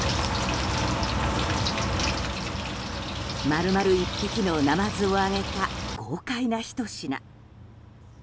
丸々１匹のナマズを揚げた豪快なひと品。